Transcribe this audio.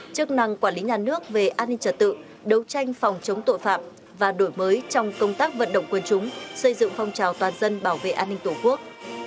chức năng quản lý nhà nước về an ninh trật tự đấu tranh phòng chống tội phạm và đổi mới trong công tác vận động quân chúng xây dựng phong trào toàn dân bảo vệ an ninh tổ quốc